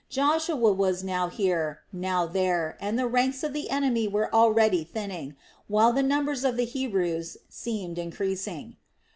Joshua was now here, now there, and the ranks of the enemy were already thinning, while the numbers of the Hebrews seemed increasing.